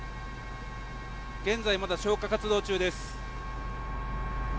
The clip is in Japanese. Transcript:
現在、まだ消火活動中です。